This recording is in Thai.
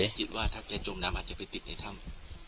จิตว่าถ้าแกจมน้ำอาจจะไปติดในถ้ำ